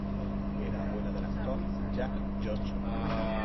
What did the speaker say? Era abuela del actor Jack Johnson.